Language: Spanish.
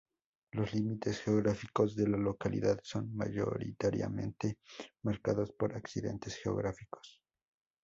Los límites geográficos de la localidad son, mayoritariamente, marcados por accidentes geográficos.